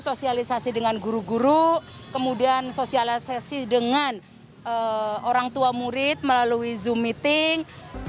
sosialisasi dengan guru guru kemudian sosialisasi dengan orang tua murid melalui zoom meeting